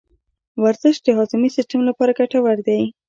ورزش د هاضمي سیستم لپاره ګټور دی.